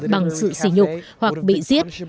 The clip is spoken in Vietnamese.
bằng sự xỉ nhục hoặc bị giết